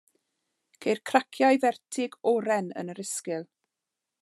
Ceir craciau fertig, oren yn y rhisgl.